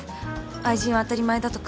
愛人は当たり前だとか